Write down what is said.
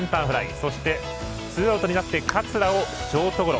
そして、ツーアウトになって桂をショートゴロ。